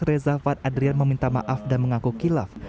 reza fad adrian meminta maaf dan mengaku kilaf